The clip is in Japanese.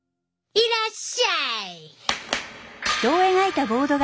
いらっしゃい！